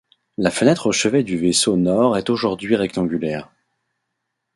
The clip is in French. La fenêtre au chevet du vaisseau nord est aujourd'hui rectangulaire.